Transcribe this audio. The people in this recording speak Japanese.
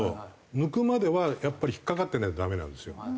抜くまでは引っかかってないとダメなんですよ。